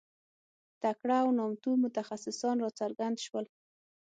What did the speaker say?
تکړه او نامتو متخصصان راڅرګند شول.